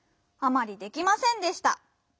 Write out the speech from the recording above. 「あまりできませんでした」。